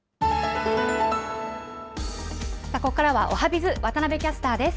ここからはおはＢｉｚ、渡部キャスターです。